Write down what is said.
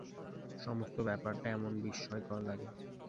সমস্ত ব্যাপারটা এমন বিস্ময়কর লাগে!